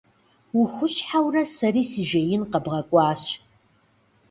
Ухущхьэурэ сэри си жеин къэбгъэкӏуащ.